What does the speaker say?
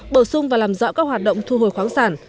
bổ sung và làm rõ các hoạt động thu hồi khoáng sản